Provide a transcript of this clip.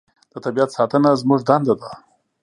د طبیعت ساتنه زموږ دنده ده.